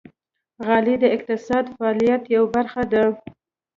غالۍ د اقتصادي فعالیت یوه برخه ده.